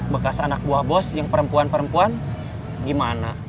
bekas anak buah bos yang perempuan perempuan gimana